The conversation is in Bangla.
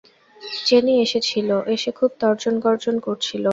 চেনি এসেছিল, এসে খুব তর্জন-গর্জন করছিল।